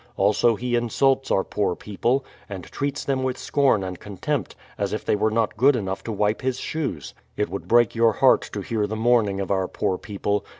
Also he in sults our poor people, and treats them with scorn and contempt, as if they were not good enough to wipe his shoes. It would break your heart to hear the mourning of our poor people.